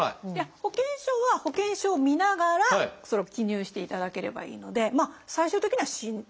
保険証は保険証を見ながら記入していただければいいので最終的には申請書が必要。